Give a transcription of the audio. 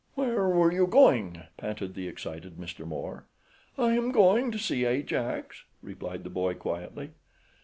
"Where were you going?" panted the excited Mr. Moore. "I am going to see Ajax," replied the boy, quietly.